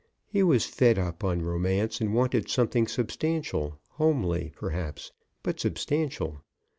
He was fed up on romance and wanted something substantial, homely, perhaps, but substantial.